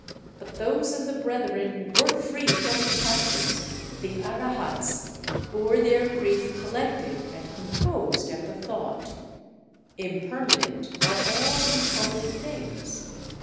But those of the brethren who were free from the passions (the Arahats) bore their grief collected and composed at the thought: "Impermanent are all component things!